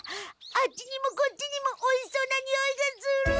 あっちにもこっちにもおいしそうなにおいがする！